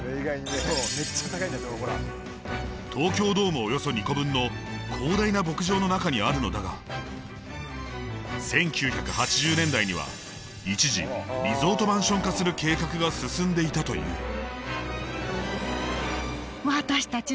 東京ドームおよそ２個分の広大な牧場の中にあるのだが１９８０年代には一時リゾートマンション化する計画が進んでいたという。